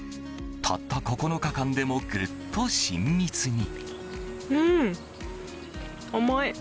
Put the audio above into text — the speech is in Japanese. たった９日間でもぐっと親密に。